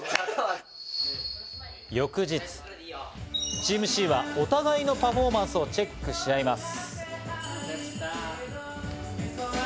翌日、チームＣはお互いのパフォーマンスをチェックし合います。